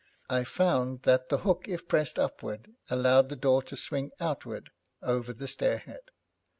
I found that the hook, if pressed upward, allowed the door to swing outward, over the stairhead.